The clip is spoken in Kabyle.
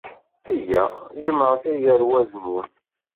Yya, jemɛet igerwaz-nwen.